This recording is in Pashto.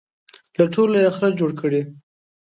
له ټولو یې خره جوړ کړي.